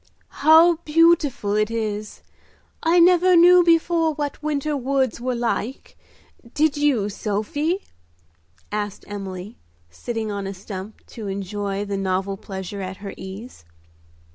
"How beautiful it is! I never knew before what winter woods were like. Did you, Sophie?" asked Emily, sitting on a stump to enjoy the novel pleasure at her ease.